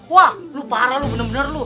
wah lu parah lu bener bener